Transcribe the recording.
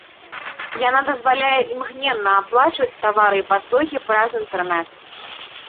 Яна дазваляе імгненна аплачваць тавары і паслугі праз інтэрнэт.